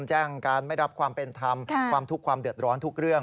แจ้งการไม่รับความเป็นธรรมความทุกข์ความเดือดร้อนทุกเรื่อง